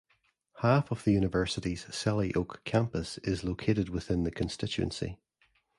Half of the University's Selly Oak campus is located within the constituency.